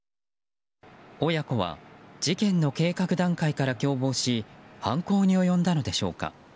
親子は事件の計画段階から共謀し犯行に及んだのでしょうか。